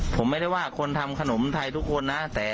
ผมไม่ได้ว่าคนทำขนมไทยทุกคนนะ